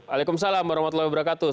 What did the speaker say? waalaikumsalam warahmatullahi wabarakatuh